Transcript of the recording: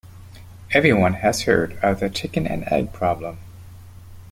Everyone has heard of the chicken and egg problem.